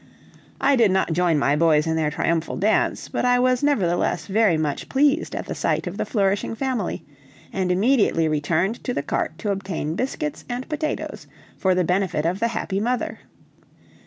I did not join my boys in their triumphal dance, but I was nevertheless very much pleased at the sight of the flourishing family, and immediately returned to the cart to obtain biscuits and potatoes for the benefit of the happy mother.